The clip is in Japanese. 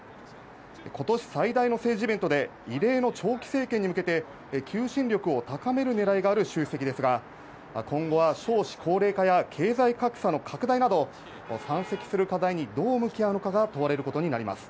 今年最大の政治イベントで異例の長期政権に向けて求心力を高めるねらいがあるシュウ主席ですが、今後は少子高齢化や経済格差の拡大など山積する課題にどう向き合うのかが問われることになります。